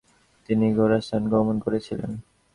তিনি খোরাসান গমন করেছিলেন।